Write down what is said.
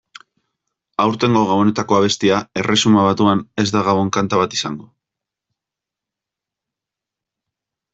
Aurtengo Gabonetako abestia Erresuma Batuan ez da gabon-kanta bat izango.